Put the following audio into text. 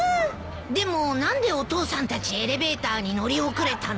でも何でお父さんたちエレベーターに乗り遅れたの？